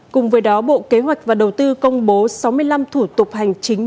cùng với đó bộ kế hoạch và đầu tư công bố sáu mươi năm thủ tục hành chính